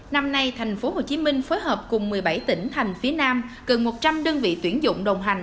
năm nay tp hcm phối hợp cùng một mươi bảy tỉnh thành phía nam gần một trăm linh đơn vị tuyển dụng đồng hành